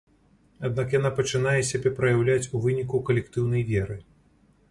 Аднак яна пачынае сябе праяўляць ў выніку калектыўнай веры.